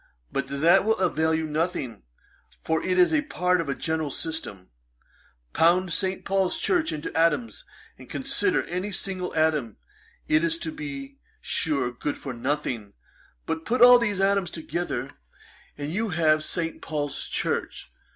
But that will avail you nothing, for it is a part of a general system. Pound St. Paul's Church into atoms, and consider any single atom; it is, to be sure, good for nothing: but, put all these atoms together, and you have St. Paul's Church.